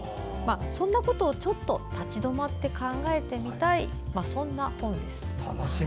そんなことを、ちょっと立ち止まって考えてみたいそんな本です。